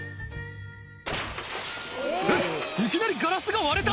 えっいきなりガラスが割れた！